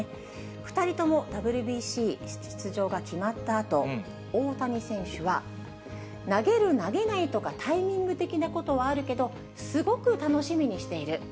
２人ともＷＢＣ出場が決まったあと、大谷選手は、投げる、投げないとか、タイミング的なことはあるけど、すごく楽しみにしている。